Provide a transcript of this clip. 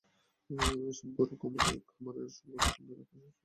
এসব গরু খামারের গরুর সঙ্গে রাখায় সুস্থ গরুও খুরারোগে আক্রান্ত হচ্ছে।